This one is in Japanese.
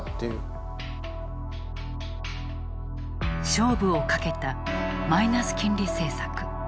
勝負をかけたマイナス金利政策。